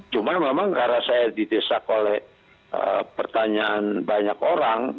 cuma memang karena saya didesak oleh pertanyaan banyak orang